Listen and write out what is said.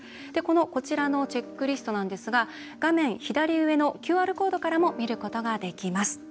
こちらのチェックリストなんですが画面左上のＱＲコードからも見ることができます。